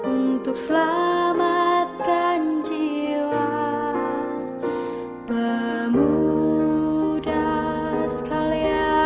untuk menjaga kemampuan kita